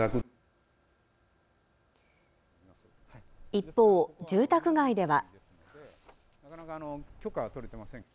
一方、住宅街では。